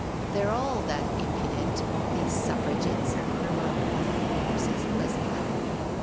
" They're all that impudent, these Suffragitts," re marked one of the wardresses pleasantly.